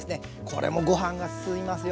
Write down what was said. これもご飯が進みますよ。